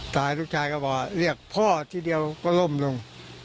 ลูกชายก็บอกเรียกพ่อทีเดียวก็ล่มลง